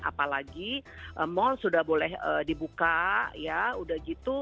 apalagi mal sudah boleh dibuka